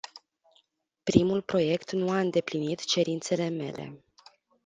Primul proiect nu a îndeplinit cerințele mele.